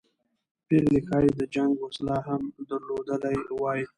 پېغلې ښایي د جنګ وسله هم درلودلې وای.